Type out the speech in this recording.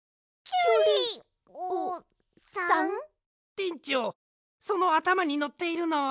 てんちょうそのあたまにのっているのは。